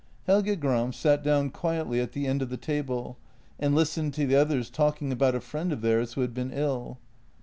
Helge Gram sat down quietly at the end of the table and listened to the others talking about a friend of theirs who had been ill.